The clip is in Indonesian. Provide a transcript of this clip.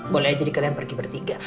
boleh aja kalian pergi bertiga